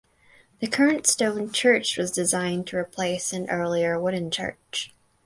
The current stone church was designed to replace an earlier wooden church.